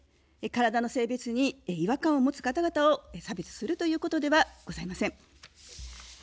体の性別に違和感を持つ方々を差別するということではございません。